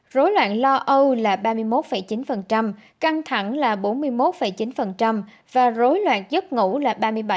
rối loạn lo âu là ba mươi một chín căng thẳng là bốn mươi một chín và rối loạn giấc ngủ là ba mươi bảy